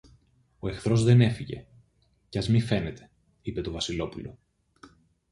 Ο εχθρός δεν έφυγε, κι ας μη φαίνεται, είπε το Βασιλόπουλο.